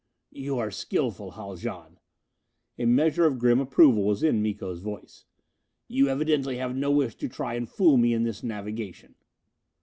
"You are skilful, Haljan." A measure of grim approval was in Miko's voice. "You evidently have no wish to try and fool me in this navigation."